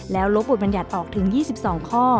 แล้วลบบทบรรยัติออกถึง๒๒ข้อ